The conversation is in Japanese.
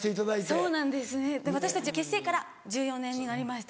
そうなんですねで私たち結成から１４年になりました。